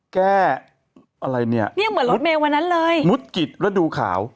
แกะอะไรเนี่ยมุดมุดกริจระดูขาว